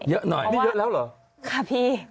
ใช่ค่ะพี่